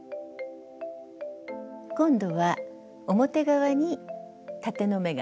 今度は表側に縦の目が入ります。